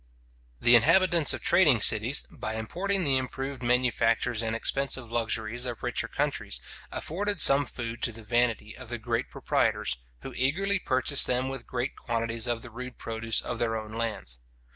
The inhabitants of trading cities, by importing the improved manufactures and expensive luxuries of richer countries, afforded some food to the vanity of the great proprietors, who eagerly purchased them with great quantities of the rude produce of their own lands.